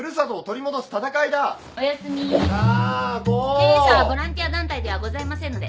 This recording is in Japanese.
弊社はボランティア団体ではございませんので。